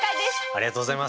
ありがとうございます。